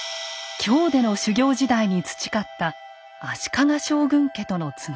京での修行時代に培った足利将軍家とのつながり。